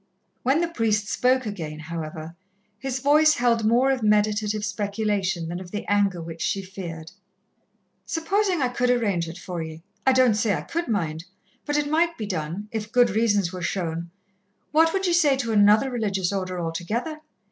When the priest spoke again, however, his voice held more of meditative speculation than of the anger which she feared. "Supposing I could arrange it for ye I don't say I could, mind, but it might be done, if good reasons were shown what would ye say to another religious order altogether?